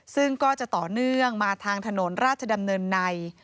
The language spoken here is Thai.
ซึ่งก็จะต่อเนื่องมาทางถนนราชดำเนินใน